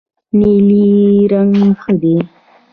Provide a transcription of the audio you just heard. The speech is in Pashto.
نیلی رنګ ښه دی.